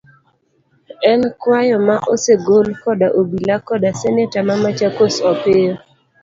En kwayo ma osegol koda obila koda seneta ma Machakos Opiyo.